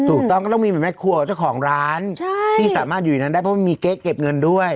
ถูกต้องก็ต้องมีเหมือนแม่ครัวเจ้าของร้านที่สามารถอยู่ในนั้นได้เพราะมันมีเก๊กเก็บเงินด้วย